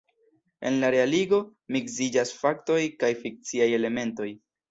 En la realigo miksiĝas faktoj kaj fikciaj elementoj.